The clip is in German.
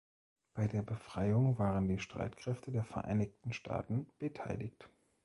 Bei der Befreiung waren die Streitkräfte der Vereinigten Staaten beteiligt.